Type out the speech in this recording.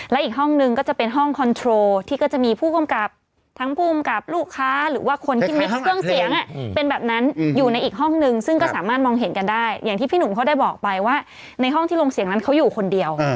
และอีกห้องนึงก็จะเป็นห้องคอนโทรที่ก็จะมีผู้กำกับทั้งภูมิกับลูกค้าหรือว่าคนที่มีเครื่องเสียงเป็นแบบนั้นอยู่ในอีกห้องนึงซึ่งก็สามารถมองเห็นกันได้อย่างที่พี่หนุ่มเขาได้บอกไปว่าในห้องที่ลงเสียงนั้นเขาอยู่คนเดียว